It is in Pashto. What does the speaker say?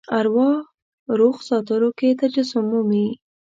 اروا روغ ساتلو کې تجسم مومي.